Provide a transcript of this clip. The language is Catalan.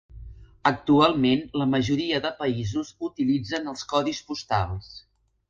Actualment la majoria de països utilitzen els codis postals.